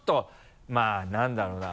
まぁ何だろうな？